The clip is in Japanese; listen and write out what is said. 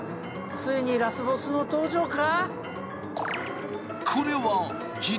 ついにラスボスの登場か！？